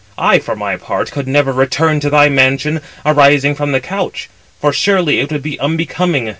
I for my part could never return to thy mansion, arising from the couch; for surely it would be unbecoming.